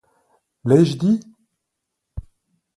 L’ai-je dit ?